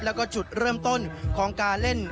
แล้วก็จุดเริ่มต้นของการเล่น